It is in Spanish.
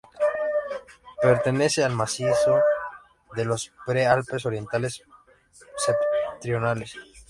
Pertenece al macizo de los pre-Alpes orientales septentrionales.